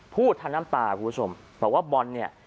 พูดทางน้ำตาคุณผู้ชมบอกว่าบอลเนี่ย